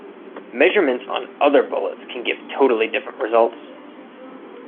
Measurements on other bullets can give totally different results.